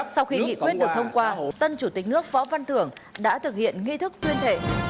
sau khi nghị quyết được thông qua tân chủ tịch nước võ văn thưởng đã thực hiện nghi thức tuyên thệ